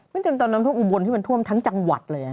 จนตอนนั้นท่วมอุบลที่มันท่วมทั้งจังหวัดเลย